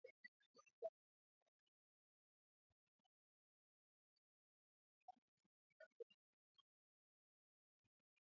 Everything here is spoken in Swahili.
Maraisi Uhuru Kenyata wa Kenya Yoweri Museveni wa Uganda na Paul Kagame wa Rwanda